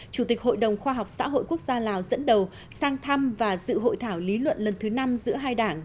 chủ tịch hội đồng khoa học xã hội quốc gia lào dẫn đầu sang thăm và dự hội thảo lý luận lần thứ năm giữa hai đảng